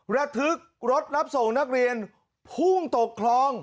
ระทึกรถรับส่งนักเรียนพุ่งตกคลอง